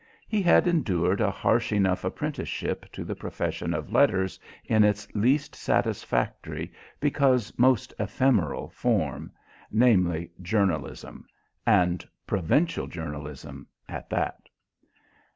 He had endured a harsh enough apprenticeship to the profession of letters in its least satisfactory, because most ephemeral, form namely journalism, and provincial journalism at that.